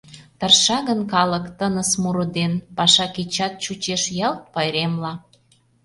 Тырша гын калык тыныс муро ден, Паша кечат чучеш ялт пайремла.